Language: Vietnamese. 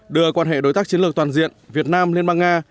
đưa quan hệ đối tác chiến lược toàn diện việt nam liên bang nga